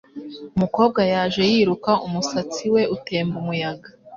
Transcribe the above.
Umukobwa yaje yiruka, umusatsi we utemba umuyaga.